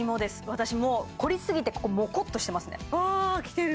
私もう凝りすぎてここもこっとしてますねうわきてる！